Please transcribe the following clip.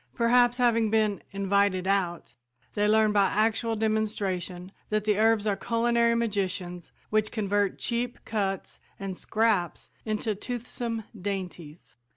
Perhaps having been "invited out," they learn by actual demonstration that the herbs are culinary magicians which convert cheap cuts and "scraps" into toothsome dainties.